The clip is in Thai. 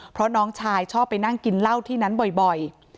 เพราะน้องชายชอบไปนั่งกินเหล้าที่นั้นบ่อย